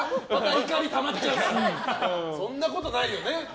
そんなことないよね。